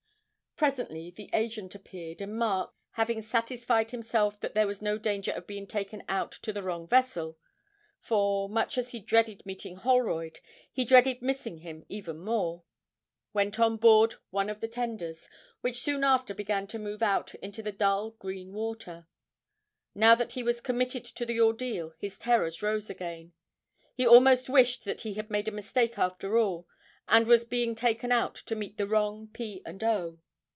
Presently the agent appeared, and Mark, having satisfied himself that there was no danger of being taken out to the wrong vessel (for, much as he dreaded meeting Holroyd, he dreaded missing him even more), went on board one of the tenders, which soon after began to move out into the dull green water. Now that he was committed to the ordeal his terrors rose again; he almost wished that he had made a mistake after all, and was being taken out to meet the wrong P. and O.